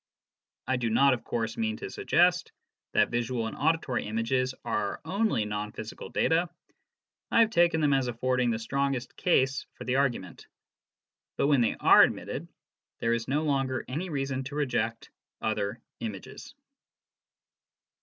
I do not, of course, mean to suggest that visual and auditory images are our only non physical data. I have taken them as affording the strongest case for the argument ; but when they are admitted, there is no longer any reason to reject other images.